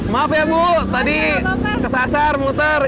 maaf ya bu tadi kesasar muter